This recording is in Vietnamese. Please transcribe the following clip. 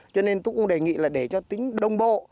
cho nên tôi cũng đề nghị là để cho tính đồng bộ